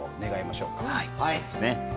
そうですね。